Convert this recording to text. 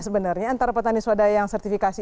sebenarnya antara petani swadaya yang sertifikasi